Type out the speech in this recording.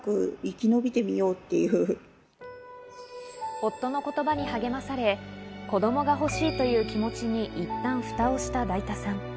夫の言葉に励まされ、子供が欲しいという気持ちにいったん蓋をしただいたさん。